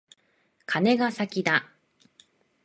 カネが先だ。